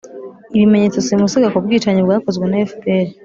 ibimenyetso simusiga ku bwicanyi bwakoze na fpr